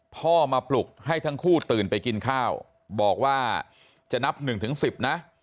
พ่อมาปลุกให้ทั้งคู่ตื่นไปกินข้าวบอกว่าจะนับ๑๑๐นะ